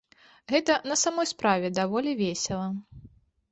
Гэта на самай справе даволі весела.